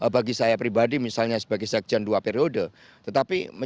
bagi saya pribadi misalnya sebagai sekjen dua periode